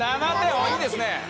おおいいですね。